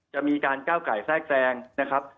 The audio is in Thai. จะมีการก้าวไก่แซ่งนะครับ